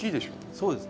そうですね。